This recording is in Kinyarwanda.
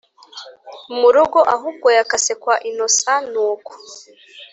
murugo ahubwo yakase kwa innocent nuko